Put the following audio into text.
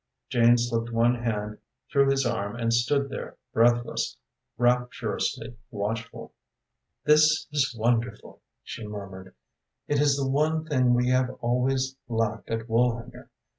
Jane slipped one hand through his arm and stood there, breathless, rapturously watchful. "This is wonderful," she murmured. "It is the one thing we have always lacked at Woolhanger.